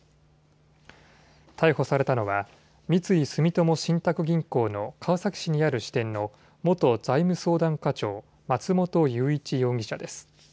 逮捕されたのは三井住友信託銀行の川崎市にある支店の元財務相談課長、松本裕一容疑者です。